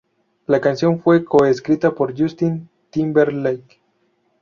La canción fue co-escrita por Justin Timberlake.